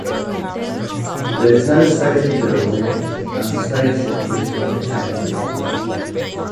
There is no station building and the station is unattended.